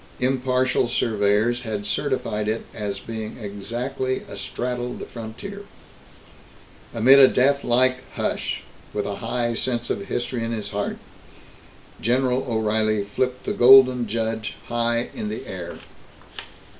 Impartial surveyors had certified it as being exactly astraddle the frontier. Amid a deathlike hush, with a high sense of history in his heart, General O'Reilly flipped the Golden Judge high in the air.